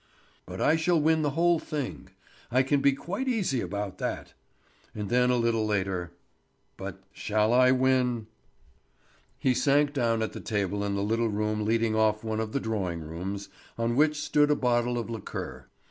"But I shall win the whole thing. I can be quite easy about that." And then a little later: "But shall I win?" He sank down at a table in the little room leading off one of the drawing rooms, on which stood a bottle of liqueur.